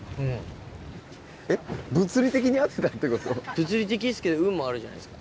物理的ですけど運もあるじゃないですか。